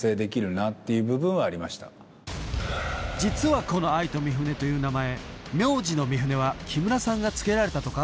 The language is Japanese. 実はこのアイト・ミフネという名前名字の「ミフネ」は木村さんが付けられたとか？